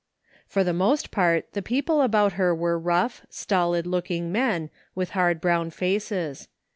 For the most part the people about her were rough, stolid looking men, with hard brown faces.